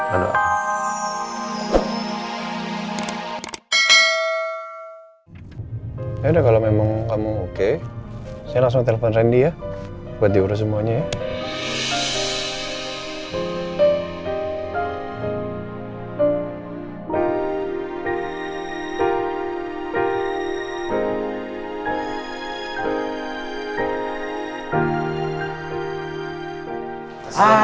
ada kalau memang kamu oke saya langsung telepon rendi ya buat diurus semuanya